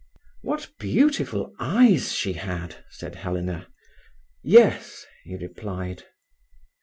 "What beautiful eyes she had!" said Helena. "Yes," he replied.